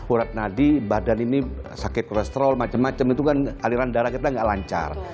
urat nadi badan ini sakit kolesterol macam macam itu kan aliran darah kita nggak lancar